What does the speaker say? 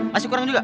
masih kurang juga